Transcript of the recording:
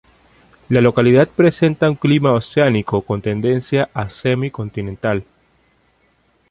La localidad presenta un clima oceánico con tendencia a semi-continental.